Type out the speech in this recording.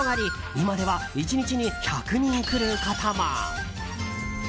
今では１日に１００人来ることも。